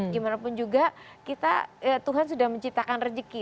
gimanapun juga kita tuhan sudah menciptakan rezeki